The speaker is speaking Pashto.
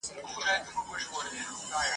چي زمري د غوايي ولیدل ښکرونه !.